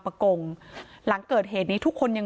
พ่อของสทเปี๊ยกบอกว่า